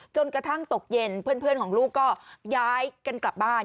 จนกระทั่งตกเย็นเพื่อนของลูกก็ย้ายกันกลับบ้าน